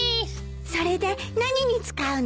それで何に使うの？